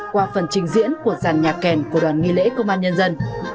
qua phần trình diễn của dàn nhạc kèn của đoàn nghi lễ công an nhân dân